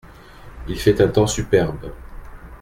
Il fait un temps superbe…